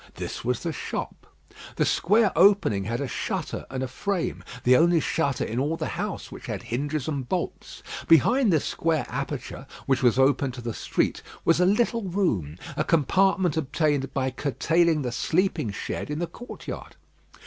This was the shop. The square opening had a shutter and a frame the only shutter in all the house which had hinges and bolts. Behind this square aperture, which was open to the street, was a little room, a compartment obtained by curtailing the sleeping shed in the courtyard.